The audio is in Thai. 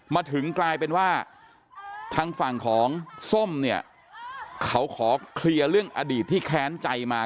มาถึงกลายเป็นว่าทางฝั่งของส้มเนี่ยเขาขอเคลียร์เรื่องอดีตที่แค้นใจมา